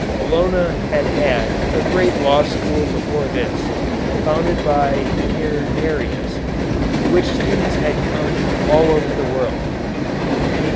Bologna had had a great law school before this, founded by Irnerius, to which students had come from all over the world.